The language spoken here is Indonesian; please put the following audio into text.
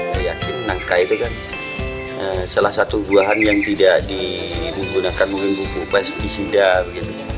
saya yakin nangka itu kan salah satu buahan yang tidak digunakan mungkin pupuk pes di sindar